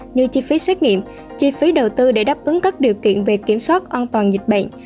như chi phí xét nghiệm chi phí đầu tư để đáp ứng các điều kiện về kiểm soát an toàn dịch bệnh